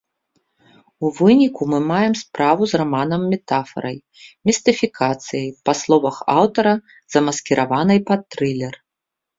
У выніку мы маем справу з раманам-метафарай, містыфікацыяй, па словах аўтара, замаскіраванай пад трылер.